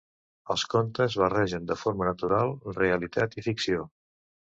Els contes barregen de forma natural, realitat i ficció.